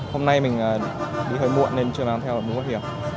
hôm nay mình đi hơi muộn nên chưa mang theo mũ bảo hiểm